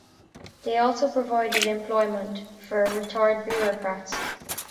They also provided employment for retired bureaucrats.